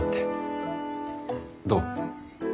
どう？